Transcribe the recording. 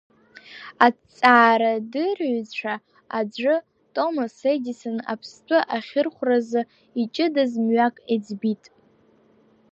Аҭҵаарадырҩцәа аӡәы, Томас Едисон аԥстәы ахьырхәразы иҷыдаз мҩак иӡбит…